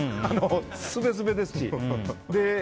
すべすべですし。